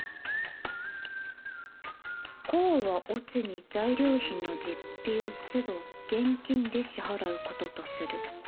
「甲は乙に材料費の実費を都度現金で支払う事とする」